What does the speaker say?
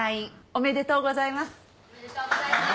おめでとうございます。